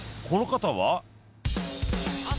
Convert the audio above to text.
この方は？